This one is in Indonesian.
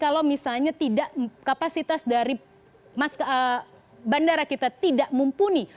kalau misalnya tidak kapasitas dari bandara kita tidak mumpuni